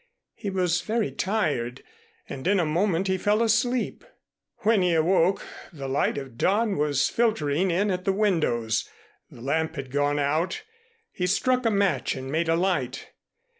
He was very tired and in a moment he fell asleep. When he awoke, the light of dawn was filtering in at the windows. The lamp had gone out. He struck a match and made a light.